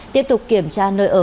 tiếp tục kiểm tra nơi ở